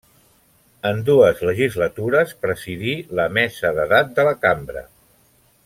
En dues legislatures presidí la mesa d'edat de la cambra.